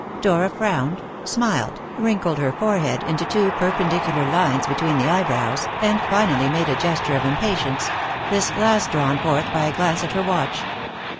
Dora frowned, smiled, wrinkled her forehead into two perpendicular lines between the eyebrows, and finally made a gesture of impatience; this last drawn forth by a glance at her watch.